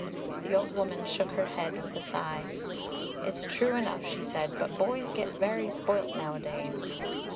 The old woman shook her head with a sigh. "It's true enough," she said, "but boys get very spoilt nowadays."